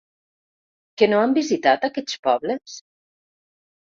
Que no han visitat aquests pobles?